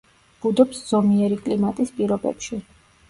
ბუდობს ზომიერი კლიმატის პირობებში.